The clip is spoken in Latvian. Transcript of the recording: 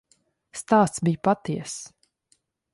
Stāsts bija patiess.